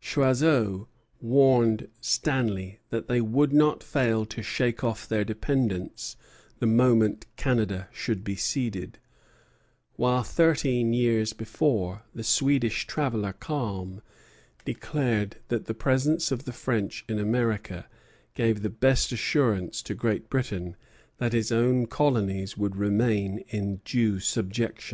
Choiseul warned Stanley that they "would not fail to shake off their dependence the moment Canada should be ceded;" while thirteen years before, the Swedish traveller Kalm declared that the presence of the French in America gave the best assurance to Great Britain that its own colonies would remain in due subjection.